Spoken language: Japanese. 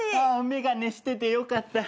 眼鏡しててよかった。